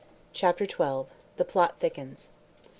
CHAPTER XII. THE PLOT THICKENS.